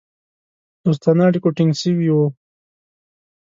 دوستانه اړیکو ټینګ سوي وه.